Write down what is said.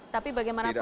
tapi bagaimanapun kan